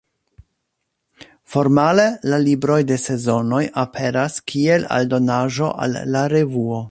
Formale la libroj de Sezonoj aperas kiel aldonaĵo al la revuo.